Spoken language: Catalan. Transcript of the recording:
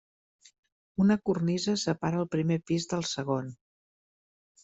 Una cornisa separa el primer pis del segon.